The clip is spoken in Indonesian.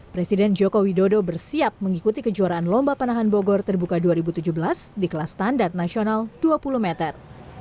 presiden joko widodo bersiap mengikuti kejuaraan lomba panahan bogor terbuka dua ribu tujuh belas di kelas standar nasional dua puluh meter